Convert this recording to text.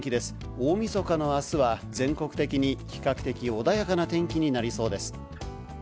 大みそかのあすは、全国的に比較的穏やかな天気になりそうです。